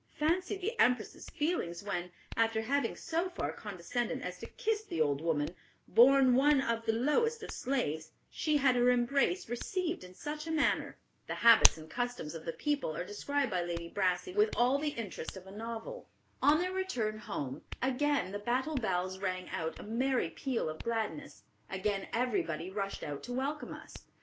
Fancy the Empress' feelings when, after having so far condescended as to kiss the old woman, born one of the lowest of slaves, she had her embrace received in such a manner." The habits and customs of the people are described by Lady Brassey with all the interest of a novel. On their return home, "again the Battle bells rang out a merry peal of gladness; again everybody rushed out to welcome us.